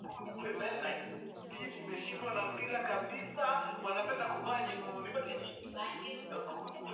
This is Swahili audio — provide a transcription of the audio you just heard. Viashiria vyote vinavyopatikana kwetu katika umoja wa Mataifa na Umoja wa Afrika vinaonyesha kuwa nchi iko kwenye hatari kubwa